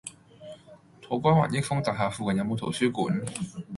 土瓜灣益豐大廈附近有無圖書館？